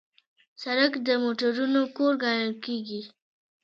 سړک د موټرونو کور ګڼل کېږي.